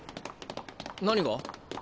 何が？